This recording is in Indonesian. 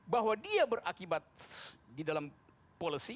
bahwa dia berakibat di dalam policy